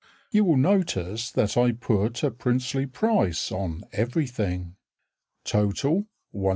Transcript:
(You will notice that I put a princely price on everything), Total, 1s.